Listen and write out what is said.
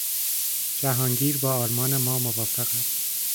جهانگیر با آرمان ما موافق است.